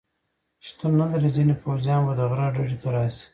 شتون نه لري، ځینې پوځیان به د غره ډډې ته راشي.